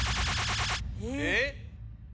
えっ？